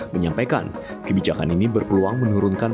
menyampaikan kebijakan ini berpeluang menurunkan